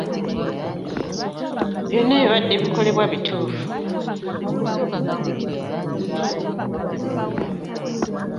Byonna ebibadde bikolebwa bituufu.